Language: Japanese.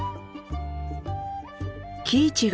喜一郎